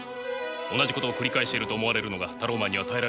同じことを繰り返していると思われるのがタローマンには耐えられないんです。